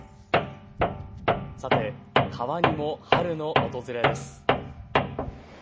さて、川にも春の訪れです。